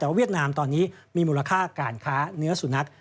แต่เวียดนามตอนนี้มีมูลค่าการค้าเนื้อสุนัข